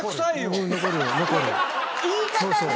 言い方ね！